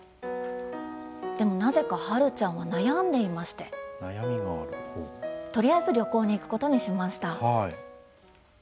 でも、なぜかハルちゃんは悩んでいましてとりあえず旅行に行くことにしました。